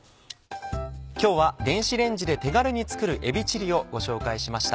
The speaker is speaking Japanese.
今日は電子レンジで手軽に作る「えびチリ」をご紹介しました。